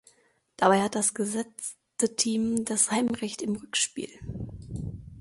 Dabei hat das gesetzte Team das Heimrecht im Rückspiel.